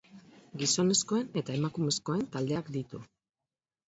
Gizonezkoen eta emakumezkoen taldeak ditu.